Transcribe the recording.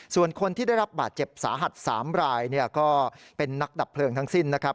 ส่วนคนที่ได้รับบาดเจ็บสาหัส๓รายก็เป็นนักดับเพลิงทั้งสิ้นนะครับ